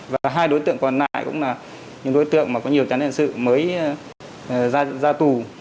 và hai đối tượng còn lại cũng là những đối tượng có nhiều tiền sự mới ra tù